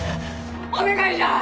お願いじゃ！